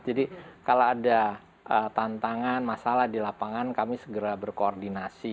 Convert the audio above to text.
kalau ada tantangan masalah di lapangan kami segera berkoordinasi